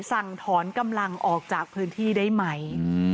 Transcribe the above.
สั่งถอนกำลังออกจากพื้นที่ได้ไหม